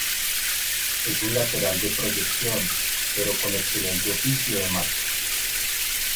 Es un lateral de proyección pero con excelente oficio de marca.